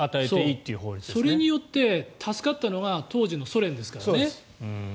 それによって助かったのが当時のソ連ですからね。